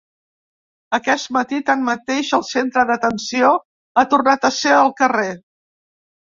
Aquest matí, tanmateix, el centre d’atenció ha tornat a ser al carrer.